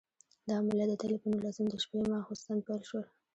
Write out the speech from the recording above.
دا عملیات د تلې په نولسم د شپې ماخوستن پیل شول.